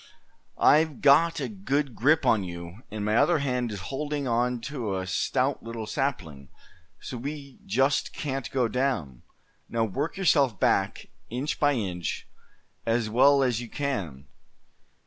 "I've got a good grip on you, and my other hand is holding on to a stout little sapling, so we just can't go down. Now work yourself back, inch by inch, as well as you can.